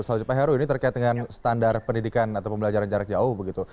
selanjutnya pak heru ini terkait dengan standar pendidikan atau pembelajaran jarak jauh begitu